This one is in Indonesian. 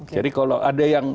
jadi kalau ada yang